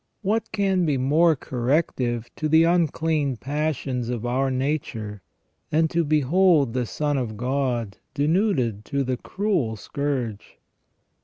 What can be more corrective of the unclean passions of our nature than to behold the Son of God denuded to the cruel scourge